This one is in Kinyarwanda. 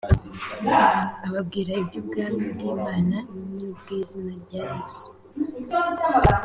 ababwira iby’ ubwami bw’ imana n’ ubw’ izina rya yesu